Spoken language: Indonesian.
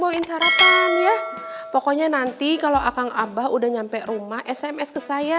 bawain sarapan yah pokoknya nanti kalau aku abah udah nyampe rumah sms ke saya